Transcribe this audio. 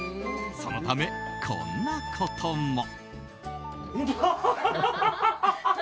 そのため、こんなことも。